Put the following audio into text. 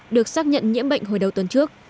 được xác nhận nhiễm bệnh hồi đầu tuần trước